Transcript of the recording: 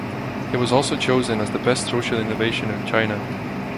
It was also chosen as the Best Social Innovation in China.